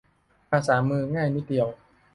ภาษามือ ง่ายนิดเดียว